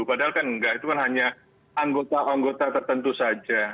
padahal kan enggak itu kan hanya anggota anggota tertentu saja